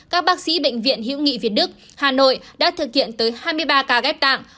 các bác sĩ bệnh viện hữu nghị việt đức hà nội đã thực hiện tới hai mươi ba ca ghép tạng